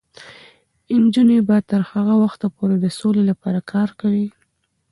نجونې به تر هغه وخته پورې د سولې لپاره کار کوي.